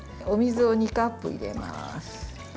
お水を２カップ入れます。